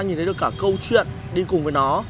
nhìn thấy được cả câu chuyện đi cùng với nó